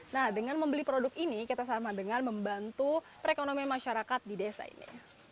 nah dengan membeli produk ini kita sama dengan membantu perekonomian masyarakat di desa ini